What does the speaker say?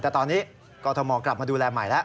แต่ตอนนี้กรทมกลับมาดูแลใหม่แล้ว